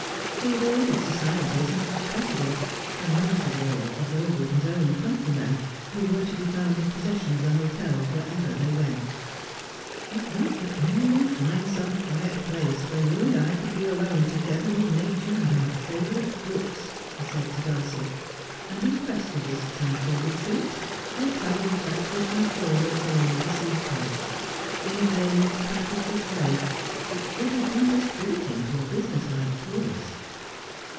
He avoided society as much as possible, and most of all avoided his own countrymen, who were to be found in possession of the hotels wherever they went. ' If we could only find some quiet place where you and I could be alone together with nature and our favourite books ! he said to Dulcie ; and in quest of this tranquil retreat they travelled backwards and forwards along the sea coast, in a vague, 156 «7: * A as I Am. purposeless wav which would have been dispiriting to a business like tourist.